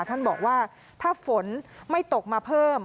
ท่านบอกว่าถ้าฝนไม่ตกมาเพิ่ม